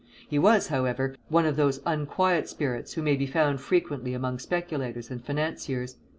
He was, however, one of those unquiet spirits who may be found frequently among speculators and financiers.